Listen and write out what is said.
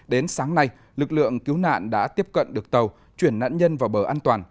đến sáng nay lực lượng cứu nạn đã tiếp cận được tàu chuyển nạn nhân vào bờ an toàn